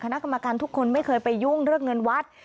คณะกรรมการทุกคนไม่เคยไปยุ่งเรื่องเงินวัด